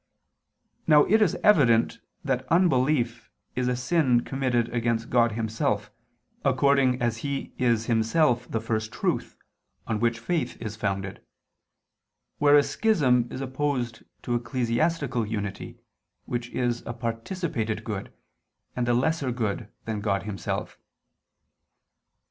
Now it is evident that unbelief is a sin committed against God Himself, according as He is Himself the First Truth, on which faith is founded; whereas schism is opposed to ecclesiastical unity, which is a participated good, and a lesser good than God Himself.